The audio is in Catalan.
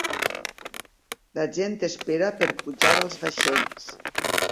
La gent espera per pujar als vaixells.